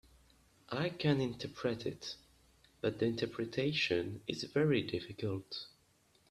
I can interpret it, but the interpretation is very difficult.